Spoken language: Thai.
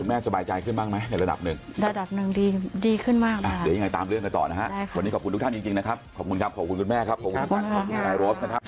คุณแม่สบายใจขึ้นบ้างไหมระดับหนึ่งระดับหนึ่งดีดีขึ้นมากตามเรื่องต่อนะครับค่ะขอบคุณทุกท่านจริงนะครับขอบคุณครับขอบคุณคุณแม่ครับขอบคุณครับ